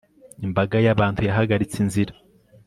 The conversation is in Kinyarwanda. Imbaga yabantu yahagaritse inzira